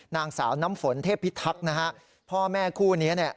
นางสาวน้ำฝนเทพฤทักษ์พ่อแม่คู่นี้